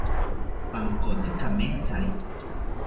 Pankotzi kamethari